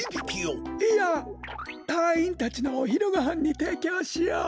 いやたいいんたちのおひるごはんにていきょうしよう。